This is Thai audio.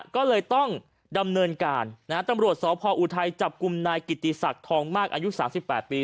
ก็เลยต้องดำเนินการนะฮะตำรวจสพออุทัยจับกลุ่มนายกิติศักดิ์ทองมากอายุ๓๘ปี